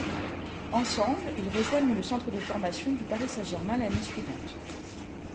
Ensemble ils rejoignent le centre de formation du Paris Saint-Germain l'année suivante.